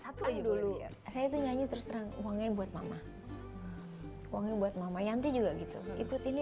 satu aja dulu saya itu nyanyi terus terang uangnya buat mama uangnya buat mama yanti juga gitu ikut ini